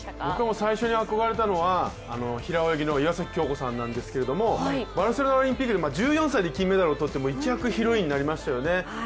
僕は最初に憧れたのは平泳ぎの岩崎恭子さんですけどバルセロナオリンピックで１４歳で金メダルを取って一躍ヒロインになりましたよね。